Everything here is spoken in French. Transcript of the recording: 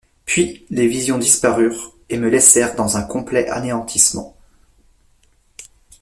Puis, les visions disparurent, et me laissèrent dans un complet anéantissement.